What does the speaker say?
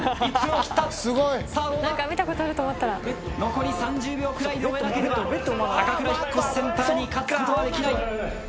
残り３０秒くらいで終えなければたかくら引越センターに勝つことはできない。